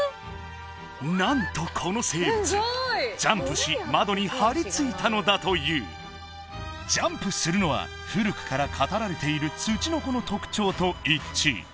何とこの生物ジャンプし窓に張りついたのだというジャンプするのは古くから語られているツチノコの特徴と一致